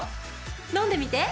飲んでみて！